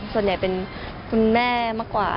ส่วนใหญ่เป็นคุณแม่มากกว่า